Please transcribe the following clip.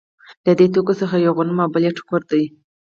له دې توکو څخه یو غنم او بل یې ټوکر دی